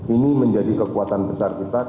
ini menjadi kekuatan besar kita